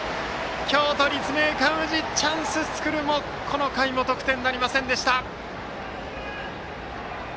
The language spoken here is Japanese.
京都・立命館宇治チャンスを作るもこの回も得点なりませんでした。